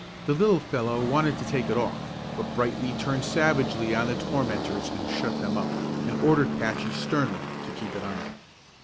The little fellow wanted to take it off; but Brightly turned savagely on the tormentors and shut them up, and ordered Patchy sternly to keep it on.